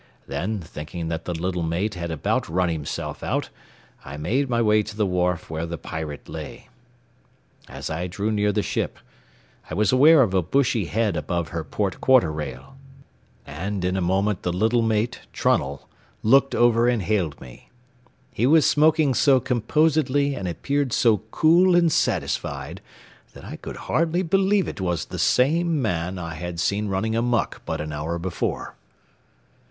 Then, thinking that the little mate had about run himself out, I made my way to the wharf where the Pirate lay. As I drew near the ship, I was aware of a bushy head above her port quarter rail, and in a moment the little mate, Trunnell, looked over and hailed me. He was smoking so composedly and appeared so cool and satisfied that I could hardly believe it was the same man I had seen running amuck but an hour before.